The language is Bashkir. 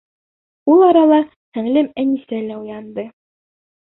Ул арала һеңлем Әнисә лә уянды.